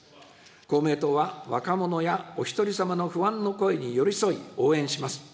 公明党は若者やおひとりさまの不安の声に寄り添い、応援します。